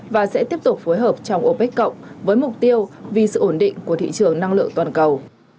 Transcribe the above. và sẽ tiếp tục phối hợp trong opec cộng với mục tiêu vì sự ổn định của thị trường năng lượng toàn cầu